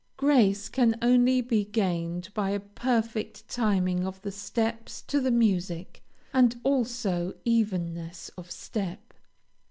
Grace can only be gained by a perfect timing of the steps to the music, and also evenness of step.